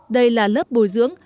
đây là lớp bồi dưỡng